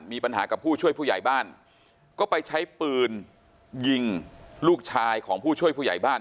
มีปัญหากับผู้ช่วยผู้ใหญ่บ้านก็ไปใช้ปืนยิงลูกชายของผู้ช่วยผู้ใหญ่บ้าน